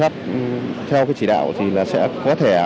theo cái chỉ đạo thì là sẽ có thẻ